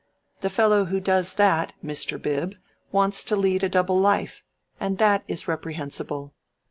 The fellow who does that, Mr. Bib, wants to lead a double life, and that is reprehensible.